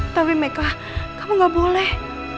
tapi meka kamu enggak boleh